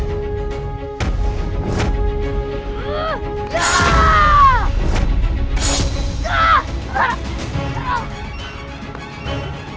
jurusmu tidak akan berguna untukku